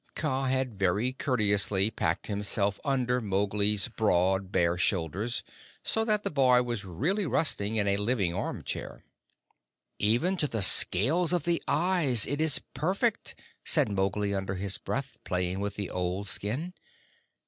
Kaa had very courteously packed himself under Mowgli's broad, bare shoulders, so that the boy was really resting in a living arm chair. "Even to the scales of the eyes it is perfect," said Mowgli, under his breath, playing with the old skin.